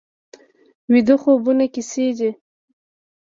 ویده خوبونه کیسې دي